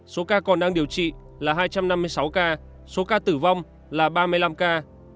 số ca còn đang điều trị là hai trăm năm mươi sáu ca số ca tử vong là ba mươi năm ca